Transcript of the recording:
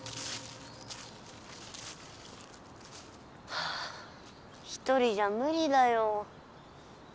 はあ一人じゃムリだよ。